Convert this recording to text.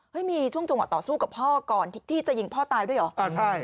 เฮ้ยมีช่วงต่อสู้กับพ่อก่อนที่จะยิงพ่อตายด้วยหรอ